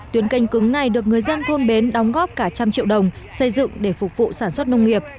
tuyến canh cứng này được người dân thôn bến đóng góp cả trăm triệu đồng xây dựng để phục vụ sản xuất nông nghiệp